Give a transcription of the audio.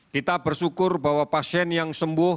kita bersyukur bahwa pasien yang sembuh